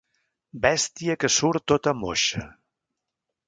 Bèstia que surt tota moixa.